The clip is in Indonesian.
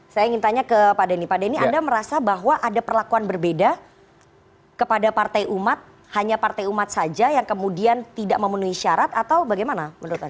saya ingin tanya ke pak denny pak denny anda merasa bahwa ada perlakuan berbeda kepada partai umat hanya partai umat saja yang kemudian tidak memenuhi syarat atau bagaimana menurut anda